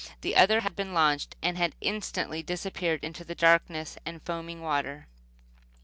The other had been launched, and had instantly disappeared in the darkness and foaming water.